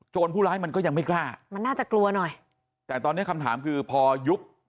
ผู้ร้ายมันก็ยังไม่กล้ามันน่าจะกลัวหน่อยแต่ตอนเนี้ยคำถามคือพอยุบ